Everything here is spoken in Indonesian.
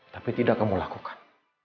tapi tidak kamu lakukan